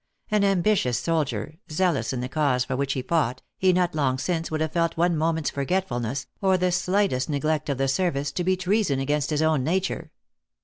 An ambitious soldier, zealous in the cause for which he fought, he, not long since, would have felt one moment s forgetfulness, or the slightest neglect of the service, to be treason against his own nature.